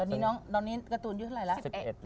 ตอนนี้การ์ตูนอายุเท่าไหร่แล้ว